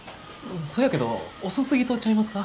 そやけど遅すぎとちゃいますか？